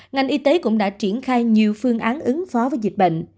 ngành y tế cũng đã triển khai nhiều phương án ứng phó với dịch bệnh